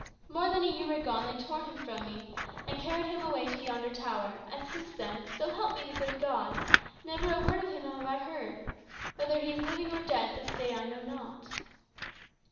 More than a year agone they tore him from me, and carried him away to yonder tower, and since then, so help me the good God, never a word of him have I heard. Whether he is living or dead, this day I know not."